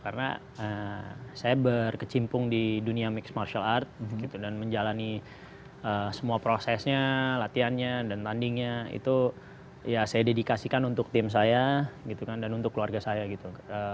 karena saya berkecimpung di dunia mixed martial art gitu dan menjalani semua prosesnya latihannya dan tandingnya itu ya saya dedikasikan untuk tim saya gitu kan dan untuk keluarga saya gitu